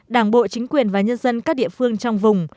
đảng bộ chính quyền và nhân dân các địa phương trong vùng